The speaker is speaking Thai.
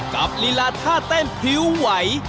ลีลาท่าเต้นผิวไหว